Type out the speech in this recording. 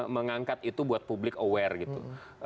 mengangkat itu buat publik aware gitu